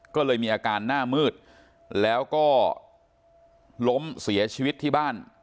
ก็เลยมีอาการหน้ามืดแล้วก็ล้มเสียชีวิตที่บ้าน